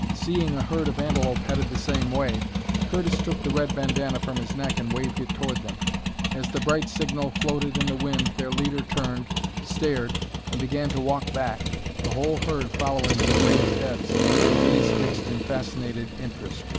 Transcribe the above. Seeing a herd of antelope headed the same way, Curtis took the red bandanna from his neck and waved it toward them. As the bright signal floated in the wind their leader turned, stared, and began to walk back, the whole herd following with raised heads and gaze fixed in fascinated interest.